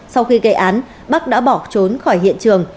sau khi gây án bắc đã bỏ trốn khỏi hiện trường